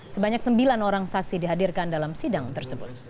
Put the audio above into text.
sebanyak sembilan orang saksi dihadirkan dalam sidang tersebut